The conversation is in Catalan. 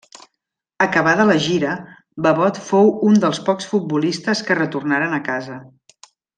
Acabada la gira, Babot fou un dels pocs futbolistes que retornaren a casa.